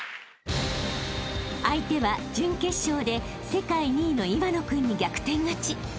［相手は準決勝で世界２位の岩野君に逆転勝ち］